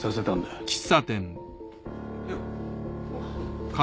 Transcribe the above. よっ。